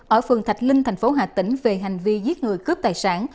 ở phường thạch linh thành phố hà tĩnh về hành vi giết người cướp tài sản